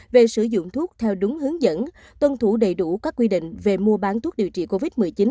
về sử dụng thuốc theo đúng hướng dẫn tuân thủ đầy đủ các quy định về mua bán thuốc điều trị covid một mươi chín